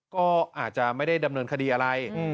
ก็อาจจะไม่ได้ดำเนินคดีอะไร